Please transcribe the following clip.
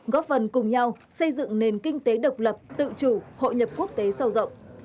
góp phần cùng nhau xây dựng nền kinh tế độc lập tự chủ hội nhập quốc tế sâu rộng